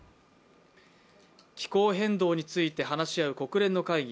気候変動について話し合う国連の会議